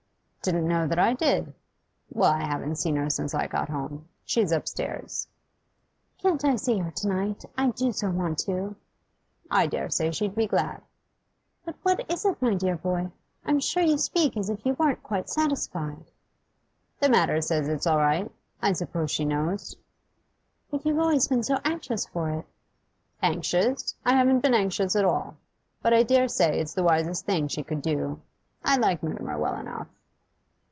'Didn't know that I did. Well, I haven't seen her since I got home. She's upstairs.' 'Can't I see her to night? I do so want to.' 'I dare say she'd be glad.' 'But what is it, my dear boy? I'm sure you speak as if you weren't quite satisfied.' 'The mater says it's all right I suppose she knows.' 'But you've always been so anxious for it.' 'Anxious? I haven't been anxious at all. But I dare say it's the wisest thing she could do. I like Mutimer well enough.